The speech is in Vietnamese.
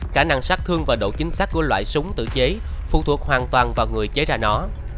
khả năng sát thương và độ chính xác của loại súng tự chế phụ thuộc hoàn toàn vào người chế ra nó